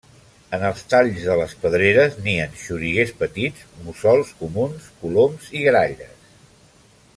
En els talls de les pedreres nien xoriguers petits, mussols comuns, coloms i gralles.